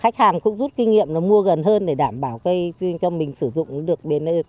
khách hàng cũng rút kinh nghiệm mua gần hơn để đảm bảo cây cho mình sử dụng được